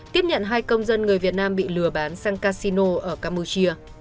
tiếp nhận hai công dân người việt nam bị lừa bán sang casino ở campuchia